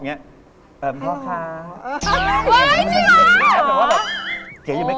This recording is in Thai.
นี่อะไรก็ว่าไป